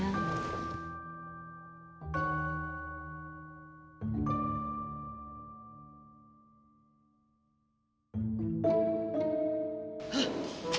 papi kanda mengelaran